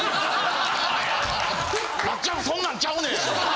松ちゃんそんなんちゃうねん！